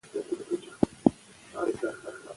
هغه پوهېده چي انګریزان څه غواړي.